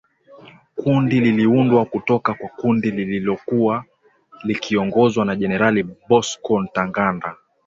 Kundi liliundwa kutoka kwa kundi lililokuwa likiongozwa na Generali Bosco Ntaganda.